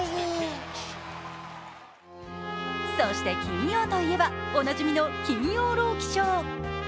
そして金曜といえばおなじみの金曜ロウキショー。